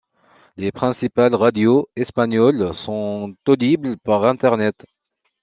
Les principales radios espagnoles sont audibles par Internet.